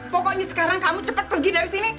pokoknya sekarang kamu cepat pergi dari sini